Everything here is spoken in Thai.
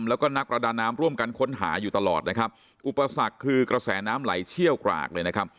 แล้วก็นักประดาน้ำร่วมกันค้นหาอยู่ตลอดนะครับอุปสรรคคือกระแสน้ำไหลเชี่ยวกรากเลยนะครับ